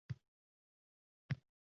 Xudo haqqi, gapim gap